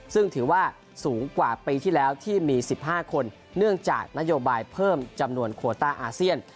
ซึ่งถือว่าสูงกว่าปีที่แล้วที่มี๑๕คนเนื่องจากนโยบายเพิ่มจำนวนโควต้าอาเซียน